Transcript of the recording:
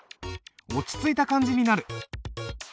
落ち着いた感じになる。